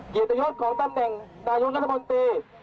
กิจตะโยชน์ของตำแหน่งนายกรัฐมนตรี